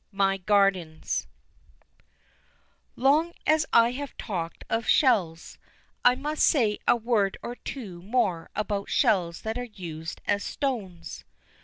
MY GARDENS Long as I have talked of shells, I must say a word or two more about shells that are used as stones.